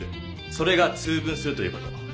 それが「通分する」という事。